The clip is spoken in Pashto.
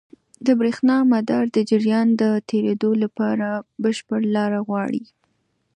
د برېښنا مدار د جریان د تېرېدو لپاره بشپړ لاره غواړي.